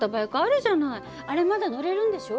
あれまだ乗れるんでしょ？